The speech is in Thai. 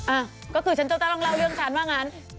อ่ะก็คือชันก็ต้องเล่าเรื่องชาวน้อยงั้น